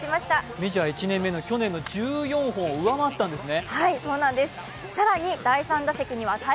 メジャー１年目の去年の１４本を上回ったんですね。